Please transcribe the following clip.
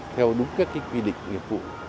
theo đúng các quy định nghiệp vụ